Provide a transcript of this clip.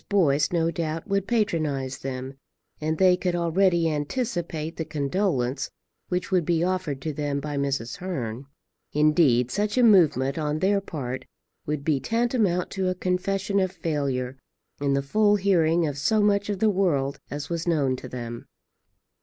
Boyce no doubt would patronize them, and they could already anticipate the condolence which would be offered to them by Mrs. Hearn. Indeed such a movement on their part would be tantamount to a confession of failure in the full hearing of so much of the world as was known to them.